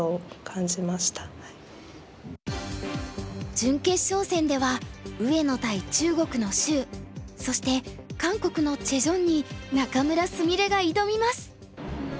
準決勝戦では上野対中国の周そして韓国のチェ・ジョンに仲邑菫が挑みます。